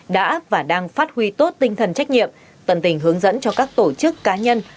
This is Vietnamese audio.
đã và đang phát huy tốt tinh thần trách nhiệm tận tình hướng dẫn cho các tổ chức cá nhân